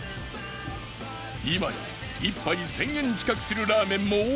今や１杯１０００円近くするラーメンも多い中